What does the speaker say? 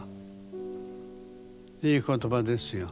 いい言葉ですよ。